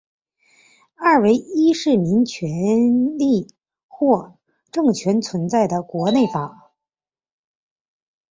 二为依市民权利或政权存在的国内法。